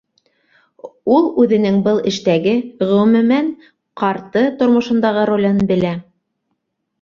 Ул үҙенең был эштәге, ғөмүмән, ҡарты тормошондағы ролен белә.